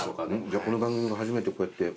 じゃあこの番組が初めてこうやって。